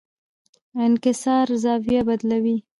انکسار زاویه بدلوي.